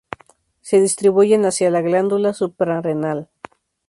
Se distribuyen hacia la glándula suprarrenal.